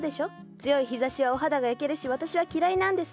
強い日ざしはお肌が焼けるし私は嫌いなんです。